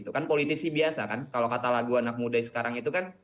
kan politisi biasa kan kalau kata lagu anak muda sekarang itu kan